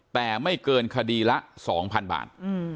แต่ไม่เกินคดีละ๒๐๐๐บาท